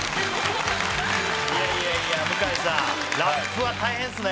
いやいやいや向井さんラップは大変っすね。